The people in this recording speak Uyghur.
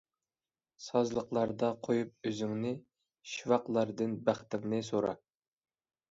سازلىقلاردا قويۇپ ئۆزۈڭنى، شىۋاقلاردىن بەختىڭنى سورا.